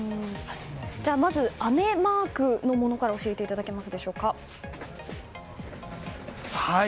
まず雨マークのものから教えていただけますでしょうか。